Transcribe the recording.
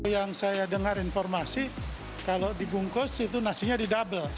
yang saya dengar informasi kalau dibungkus itu nasinya didouble